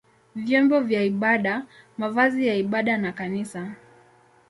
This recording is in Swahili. vyombo vya ibada, mavazi ya ibada na kanisa.